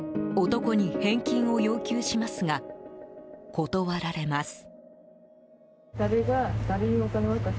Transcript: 男に返金を要求しますが断られます。